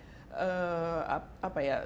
dari anggota anggota masyarakat